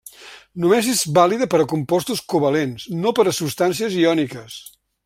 Només és vàlida per a compostos covalents, no per a substàncies iòniques.